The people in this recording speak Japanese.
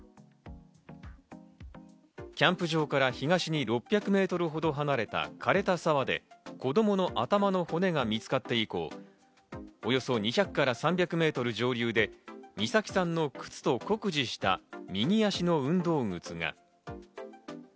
キャンプ場から東に６００メートルほど離れた枯れた沢で子供の頭の骨が見つかって以降、およそ２００から３００メートル上流で美咲さんの靴と酷似した右足の運動靴が。